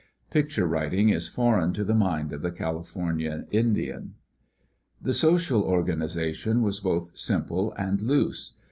Picture writing is foreign to the mind of the California Indian. The social organization was both simple and loose.